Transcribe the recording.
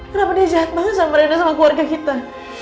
kenapa dia sehat banget sama rina sama keluarga kita